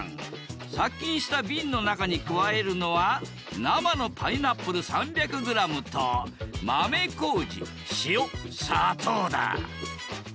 殺菌した瓶の中に加えるのは生のパイナップル３００ｇと豆こうじ塩砂糖だ。